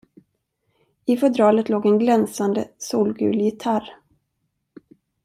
I fodralet låg en glänsande, solgul gitarr.